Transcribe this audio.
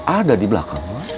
ada di belakang mak